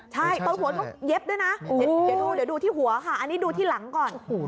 ใช่ตรงหัวก็เย็บด้วยนะเดี๋ยวดูเดี๋ยวดูที่หัวค่ะอันนี้ดูที่หลังก่อน